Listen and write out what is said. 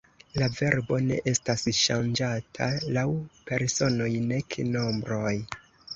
La verbo ne estas ŝanĝata laŭ personoj nek nombroj.